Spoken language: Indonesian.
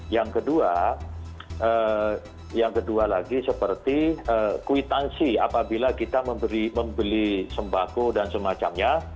yang kedua yang kedua lagi seperti kwitansi apabila kita membeli sembako dan semacamnya